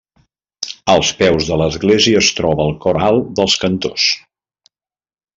Als peus de l'església es troba el Cor Alt dels Cantors.